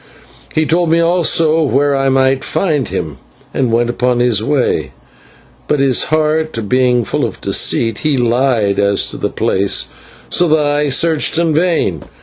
He told me also where I might find him, and went upon his way, but, his heart being full of deceit, he lied as to the place, so that I searched in vain.